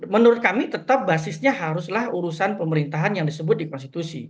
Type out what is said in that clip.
menurut kami tetap basisnya haruslah urusan pemerintahan yang disebut di konstitusi